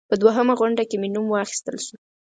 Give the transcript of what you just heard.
په دوهمه غونډه کې مې نوم واخیستل شو.